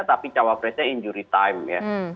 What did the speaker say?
tapi cawapresnya injury time ya